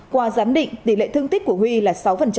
qua giám định tỷ lệ thương tích của huy là sáu